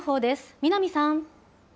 南さん。